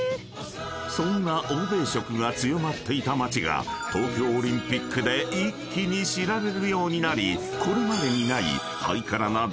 ［そんな欧米色が強まっていた街が東京オリンピックで一気に知られるようになりこれまでにない］